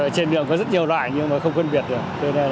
trên đường có rất nhiều loại nhưng mà không phân biệt được